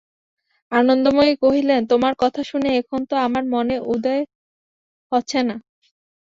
আনন্দময়ী কহিলেন, তোর কথা শুনে এখনো তো আমার মনে উদয় হচ্ছে না।